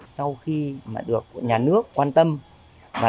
sau khi được nhà nước quan tâm